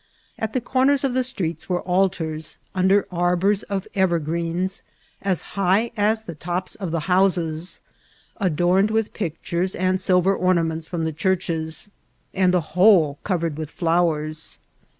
At the comers of the streets were altars, un der arbours of evergreens as high as the tops of the houses, adorned with pictures and silver ornaments from the churches, and the whole covered with flowers.